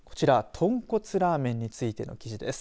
豚骨ラーメンについての記事です。